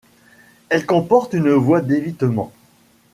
Elle comporte une voie d'évitement.